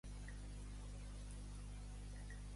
On són incorporats diversos radioisòtops de l'estronci?